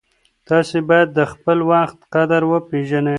تاسې باید د خپل وخت قدر وپېژنئ.